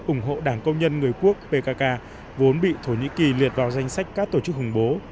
ủng hộ đảng công nhân người quốc pkk vốn bị thổ nhĩ kỳ liệt vào danh sách các tổ chức khủng bố